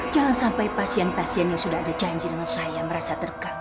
jangan sampai pasien pasien yang sudah ada janji sama saya merasa terganggu